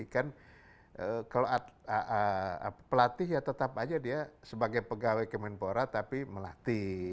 kan kalau pelatih ya tetap aja dia sebagai pegawai kemenpora tapi melatih